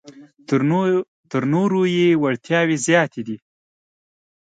تر نورو یې وړتیاوې زیاتې دي.